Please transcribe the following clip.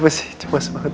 kenapa sih cemas banget